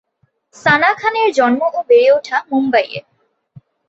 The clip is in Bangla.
সানা খানের জন্ম ও বেড়ে ওঠা মুম্বাইয়ে।